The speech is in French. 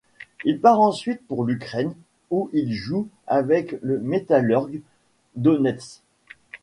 Il part ensuite pour l'Ukraine où il joue avec le Metalurg Donetsk.